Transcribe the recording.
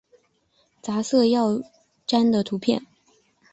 杂色耀鲇的图片